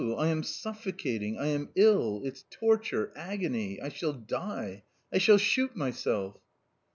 I am suffocating, I am ill — it's torture, agony ! I shall die. I shall shoot myself."